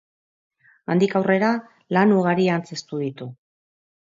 Handik aurrera, lan ugari antzeztu ditu.